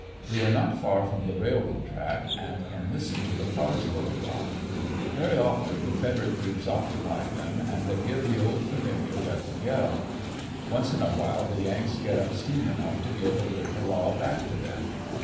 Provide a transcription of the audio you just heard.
We are not far from the railroad track, and can listen to the cars going by Very often Confederate troops occupy them and they give the old familiar rebel yell. Once in a while the Yanks get up steam enough to give a good hurrah back to them.